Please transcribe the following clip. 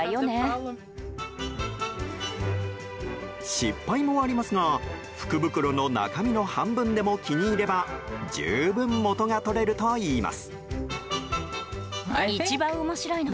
失敗もありますが福袋の中身の半分でも気に入れば十分、元が取れるといいます。